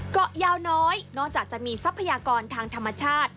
เกาะยาวน้อยนอกจากจะมีทรัพยากรทางธรรมชาติ